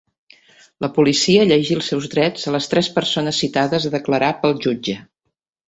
La Policia llegí els seus drets a les tres persones citades a declarar pel jutge.